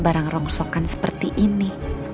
barang rongsokan seperti ini